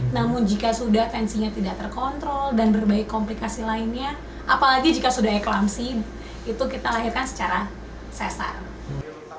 namun jika sudah tensinya tidak terkontrol dan berbagai komplikasi lainnya apalagi jika sudah eklamasi itu kita lahirkan secara sesar